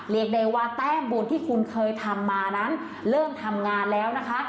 เรียกได้ว่าแต้มบุญที่คุณเคยทำมานั้นเริ่มทำงานแล้วนะคะ